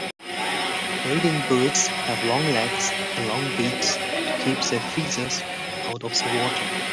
Wading birds have long legs and long beaks to keep their feathers out of the water.